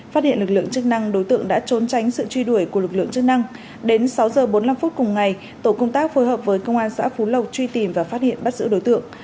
phát hiện lực lượng chức năng đối tượng đã trốn tránh sự truy đuổi của lực lượng chức năng đến sáu h bốn mươi năm phút cùng ngày tổ công tác phối hợp với công an xã phú lộc truy tìm và phát hiện bắt giữ đối tượng